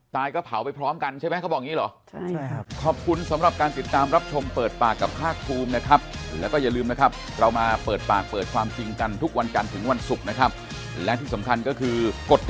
ก็เผาไปพร้อมกันใช่ไหมเขาบอกอย่างนี้เหรอ